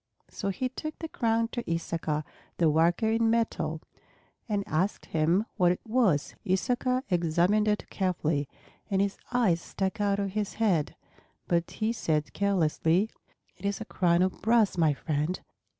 So he took the crown to Issachar, the worker in metal, and asked him what it was. Issachar examined it carefully, and his eyes stuck out of his head. But he said carelessly, "It is a crown of brass, my friend.